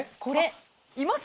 います？